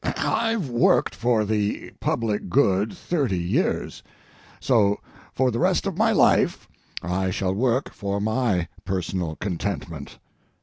I've worked for the public good thirty years, so for the rest of my life I shall work for my personal contentment.